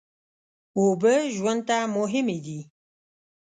اوبه ژوند ته مهمې دي.